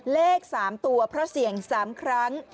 เลข๓ตัวเพราะเสี่ยง๓ครั้ง